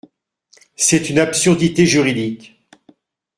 C’est une absurdité juridique.